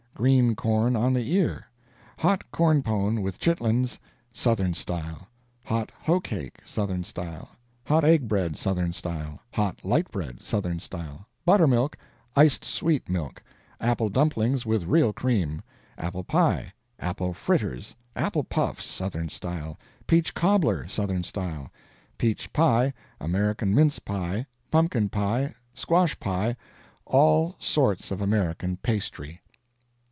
Green corn, on the ear. Hot corn pone, with chitlings, Southern style. Hot hoe cake, Southern style. Hot egg bread, Southern style. Hot light bread, Southern style. Buttermilk. Iced sweet milk. Apple dumplings, with real cream. Apple pie. Apple fritters. Apple puffs, Southern style. Peach cobbler, Southern style Peach pie. American mince pie. Pumpkin pie. Squash pie. All sorts of American pastry.